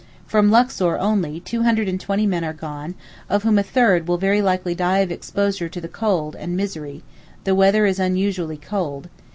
From Luxor only, 220 men are gone; of whom a third will very likely die of exposure to the cold and misery (the weather is unusually cold).